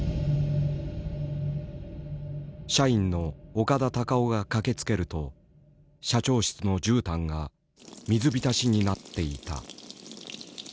社員の岡田隆夫が駆けつけると社長室のじゅうたんが水浸しになっていた。